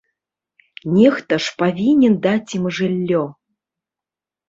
Нехта ж павінен даць ім жыллё!